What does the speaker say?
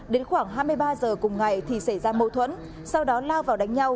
đến khoảng hai mươi ba h cùng ngày thì xảy ra mâu thuẫn sau đó lao vào đánh nhau